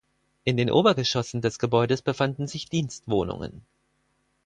In den Obergeschossen des Gebäudes befanden sich Dienstwohnungen.